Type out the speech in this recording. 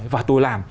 và tôi làm